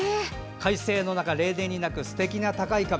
快晴の中、例年になくすてきな高い壁。